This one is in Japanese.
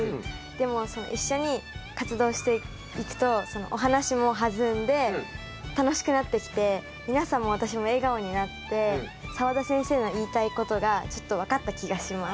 でも一緒に活動していくとお話もはずんで楽しくなってきて皆さんも私も笑顔になって澤田先生の言いたいことがちょっと分かった気がします。